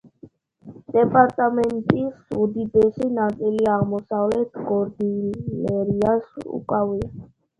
დეპარტამენტის უდიდესი ნაწილი აღმოსავლეთ კორდილიერას უკავია.